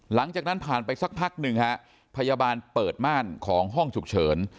หลังจากนั้นผ่านไปสักพักหนึ่งฮะพยาบาลเปิดม่านของห้องฉุกเฉิน